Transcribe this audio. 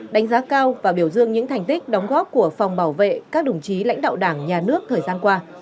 đánh giá cao và biểu dương những thành tích đóng góp của phòng bảo vệ các đồng chí lãnh đạo đảng nhà nước thời gian qua